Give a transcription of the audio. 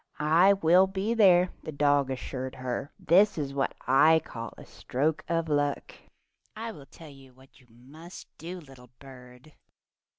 "I will be there," the dog assured her. "This is what I call a stroke of luck. I 'll tell you what you must do, little bird.